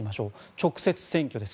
直接選挙です。